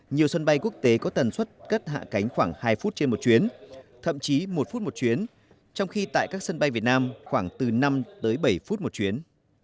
nhiều sân bay quốc tế có tần suất cất hạ cánh khoảng hai phút trên một chuyến thậm chí một phút một chuyến trong khi tại các sân bay việt nam khoảng từ năm tới bảy phút một chuyến